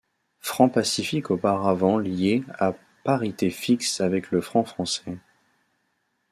Franc Pacifique auparavant lié à parité fixe avec le franc français.